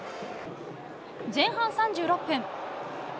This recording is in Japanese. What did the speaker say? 前半３６分。